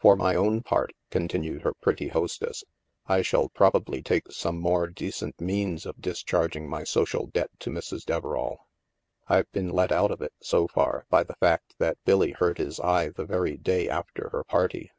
For my own part," continued her pretty hostess, I shall probably take some more decent means of discharging my social debt to Mrs. Deverall. I've been let out of it, so far, by the fact that Billy hurt his eye the very day after her party.